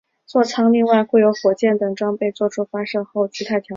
坐舱另外会有火箭等装备作出发射后的姿态调整。